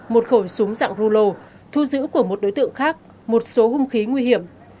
một khẩu súng dạng rulo thu giữ của một đối tượng khác một số hung khí nguy hiểm